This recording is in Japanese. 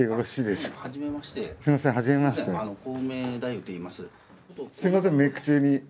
すいませんメイク中に。